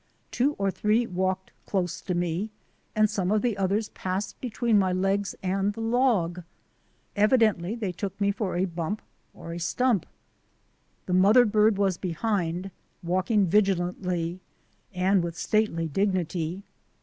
Two or three walked close to me, and some of the others passed between my legs and the log. Evidently they took me for a bump or a stump. The mother 36 THE ADVENTURES OF A NATURE GUIDE bird was behind, walking vigilantly and with stately dignity.